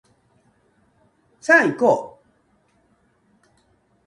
さあいこう